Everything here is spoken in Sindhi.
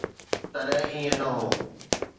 تڏهن ائين نه هو.